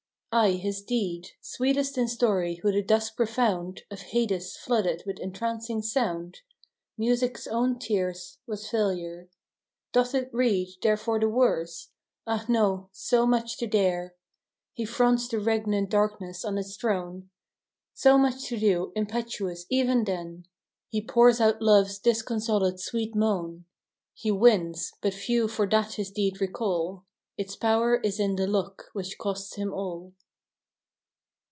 Ay, his deed, Sweetest in story, who the dusk profound, Of Hades flooded with entrancing sound, Music's own tears, was failure. Doth it read Therefore the worse ? Ah, no! so much to dare, LOVE AND PEACE. 63 He fronts the regnant Darkness on its throne. — So much to do ; impetuous even then, He pours out love's disconsolate sweet moan — He wins ; but few for that his deed recall: Its power is in the look which costs him all.